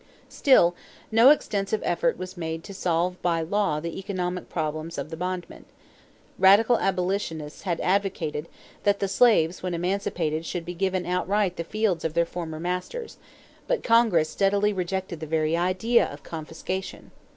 Still no extensive effort was made to solve by law the economic problems of the bondmen. Radical abolitionists had advocated that the slaves when emancipated should be given outright the fields of their former masters; but Congress steadily rejected the very idea of confiscation.